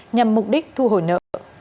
nhằm mục đích thu hồi nợ